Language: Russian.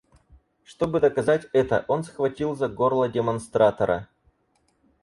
Чтобы доказать это, он схватил за горло демонстратора.